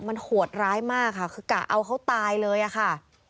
มันโหดร้ายมากค่ะคือกะเอาเขาตายเลยอะค่ะ